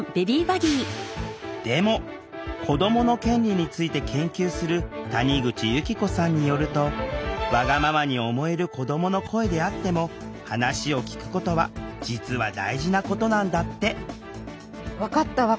でも子どもの権利について研究する谷口由希子さんによるとわがままに思える子どもの声であっても話を聴くことは実は大事なことなんだって。